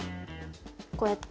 こうやって。